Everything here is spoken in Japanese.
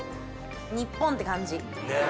日本って感じ。ねぇ。